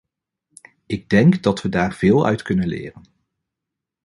Ik denk dat we daar veel uit kunnen leren.